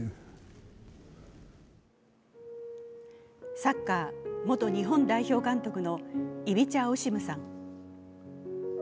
サッカー元日本代表監督のイビチャ・オシムさん。